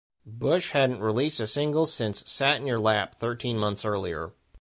Bush hadn't released a single since "Sat in Your Lap" thirteen months earlier.